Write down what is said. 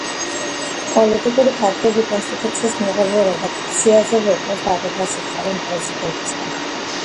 პოლიტიკური პარტიები კონსტიტუციის მიღებულ რედაქციაზე ვეტოს დადებას ითხოვდნენ პრეზიდენტისგან.